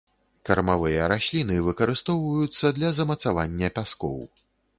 Кармавыя расліны, выкарыстоўваюцца для замацавання пяскоў.